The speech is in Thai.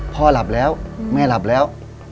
พ่อหลับแล้วแม่หลับแล้ว